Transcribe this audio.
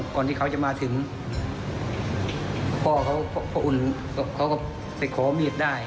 ก่อนที่เขาจะมาถึงพ่อเขาพ่ออุ่นเขาก็ไปขอมีดได้